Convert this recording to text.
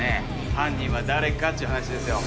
犯人は誰かっちゅう話ですよ。